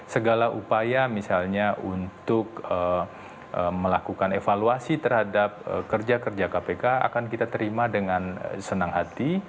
segala upaya misalnya untuk melakukan evaluasi terhadap kerja kerja kpk akan kita terima dengan senang hati